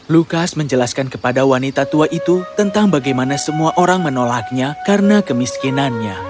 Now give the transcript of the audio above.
lukas menjelaskan kepada wanita tua itu tentang bagaimana semua orang menolaknya karena kemiskinannya